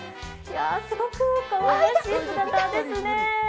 すごくかわいらしい姿ですね。